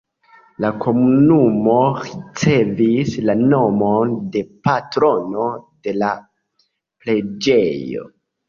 La komunumo ricevis la nomon de patrono de la preĝejo.